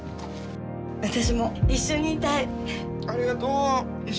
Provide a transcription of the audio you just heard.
私も一緒にいたい。